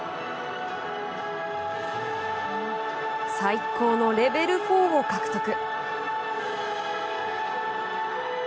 最高のレベル４を獲得。